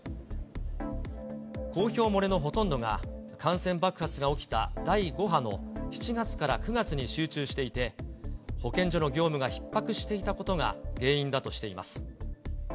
公表漏れのほとんどが、感染爆発が起きた第５波の７月から９月に集中していて、保健所の業務がひっ迫していたことが原因だとしています。